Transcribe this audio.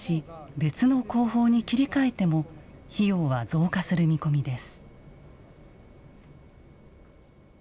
別の工法に切り替えても費用は増加する見込みです。